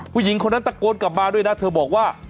ผู้หญิงคนนั้นตะโกนกลับมาด้วยนะเธอบอกว่า